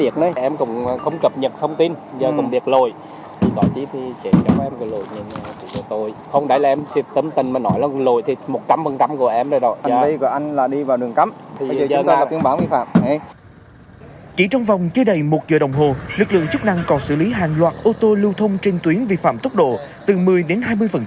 chỉ trong vòng chưa đầy một giờ đồng hồ lực lượng chức năng còn xử lý hàng loạt ô tô lưu thông trên tuyến vi phạm tốc độ từ một mươi đến hai mươi